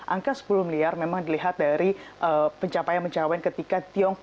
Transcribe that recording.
angka sepuluh miliar memang dilihat dari pencapaian pencapaian ketika tiongkok